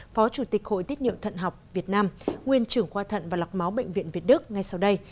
phó chủ tịch hội tiết niệm thận học việt nam nguyên trưởng khoa thận và lọc máu bệnh viện việt đức ngay sau đây